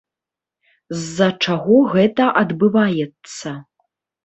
З-за чаго гэта адбываецца?